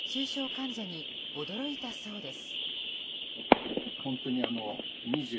患者に驚いたそうです。